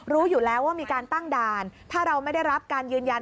รู้อยู่แล้วว่ามีการตั้งด่านถ้าเราไม่ได้รับการยืนยัน